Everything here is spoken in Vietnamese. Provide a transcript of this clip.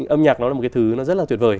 âm nhạc nó là một cái thứ nó rất là tuyệt vời